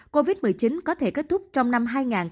covid một mươi chín có thể kết thúc trong năm hai nghìn hai mươi